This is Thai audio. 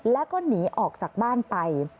แล้วก็หนีออกจากบ้านไป